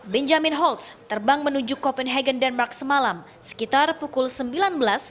benjamin holtz terbang menuju copenhagen denmark semalam sekitar pukul sembilan belas